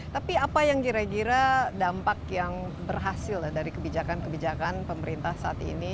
tapi apa yang kira kira dampak yang berhasil dari kebijakan kebijakan pemerintah saat ini